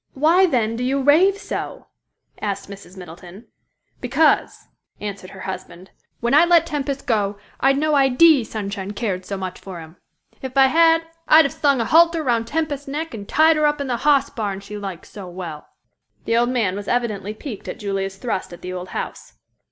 "Why, then, do you rave so?" asked Mrs. Middleton. "Because," answered her husband, "when I let Tempest go, I'd no idee Sunshine cared so much for him. If I had, I'd have slung a halter round Tempest's neck and tied her up in the hoss barn she likes so well!" The old man was evidently piqued at Julia's thrust at the old house.